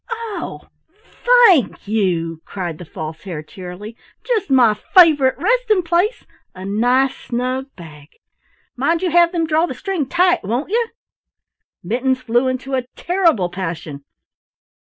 "Oh, thank you!" cried the False Hare cheerily. "Just my favorite resting place a nice snug bag. Mind you have them draw the string tight, won't you?" Mittens flew into a terrible passion.